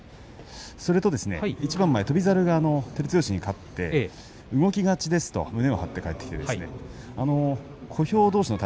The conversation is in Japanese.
それと一番前、翔猿が照強に勝って、動き勝ちですと胸を張って帰ってきました。